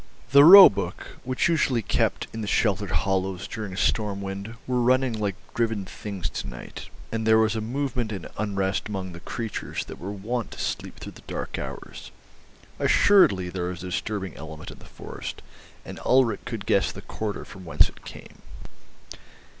The roebuck, which usually kept in the sheltered hollows during a storm wind, were running like driven things to night, and there was movement and unrest among the creatures that were wont to sleep through the dark hours. Assuredly there was a disturbing element in the forest, and Ulrich could guess the quarter from whence it came.